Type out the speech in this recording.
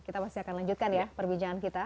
kita masih akan lanjutkan ya perbincangan kita